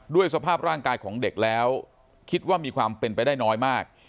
สภาพร่างกายของเด็กแล้วคิดว่ามีความเป็นไปได้น้อยมาก